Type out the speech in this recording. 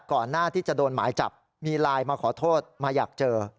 ก่อนหน้าที่จะโดนหมายจับมีไลน์มาขอโทษมาอยากเจอ